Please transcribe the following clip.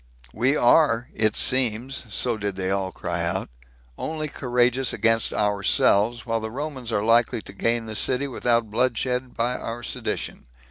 We are, it seems, [so did they cry out,] only courageous against ourselves, while the Romans are likely to gain the city without bloodshed by our sedition."